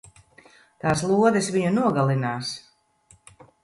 Tās lodes viņu nogalinās!